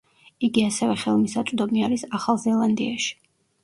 იგი ასევე ხელმისაწვდომი არის ახალ ზელანდიაში.